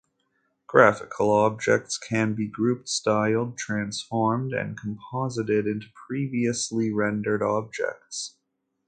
Graphical objects can be grouped, styled, transformed and composited into previously rendered objects.